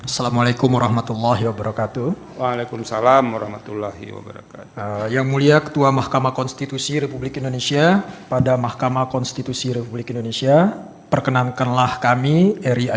sekarang ke perkara satu ratus empat puluh delapan